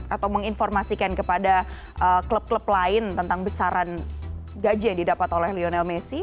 atau menginformasikan kepada klub klub lain tentang besaran gaji yang didapat oleh lionel messi